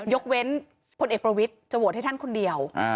ยกเว้นพลเอกประวิทย์จะโหวตให้ท่านคนเดียว